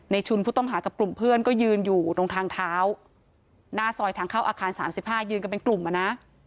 ชุนผู้ต้องหากับกลุ่มเพื่อนก็ยืนอยู่ตรงทางเท้าหน้าซอยทางเข้าอาคาร๓๕ยืนกันเป็นกลุ่มอ่ะนะ